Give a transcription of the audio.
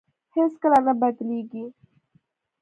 هېڅ کله نه بدلېږي.